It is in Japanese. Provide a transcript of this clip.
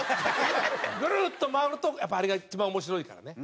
グルッと回るとやっぱあれが一番面白いからね。